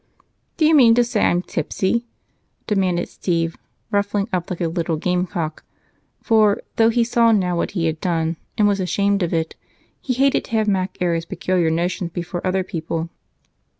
"Do you mean to say I'm tipsy?" demanded Steve, ruffling up like a little gamecock, for though he saw now what he had done and was ashamed of it, he hated to have Mac air his peculiar notions before other people.